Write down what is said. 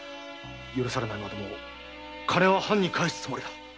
許されないまでも金は藩に返すつもりだ。